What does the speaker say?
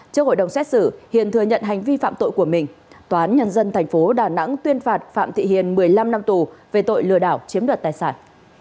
trước hội đồng xét xử hiền thừa nhận hành vi phạm tội của mình toán nhân dân thành phố đà nẵng tuyên phạt phạm thị hiền một mươi năm năm tù về tội lừa đảo chiếm đoạt tài sản